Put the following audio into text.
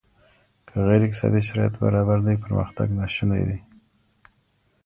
که غير اقتصادي شرايط برابر نه وي پرمختګ ناسونی دی.